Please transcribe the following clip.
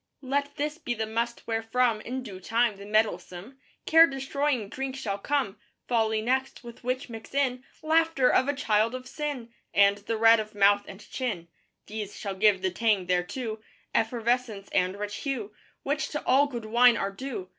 Let this be the must wherefrom, In due time, the mettlesome Care destroying drink shall come. Folly next: with which mix in Laughter of a child of sin, And the red of mouth and chin. These shall give the tang thereto, Effervescence and rich hue Which to all good wine are due.